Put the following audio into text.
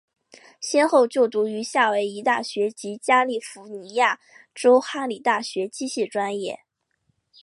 先后就读于夏威夷大学及加利福尼亚州哈里大学机械专业。